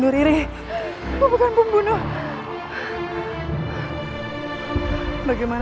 aku udah janji untuk gak berhubungan lagi sama kamu sama tanti